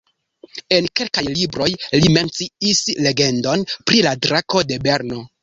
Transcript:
En kelkaj libroj li menciis legendon pri la Drako de Brno.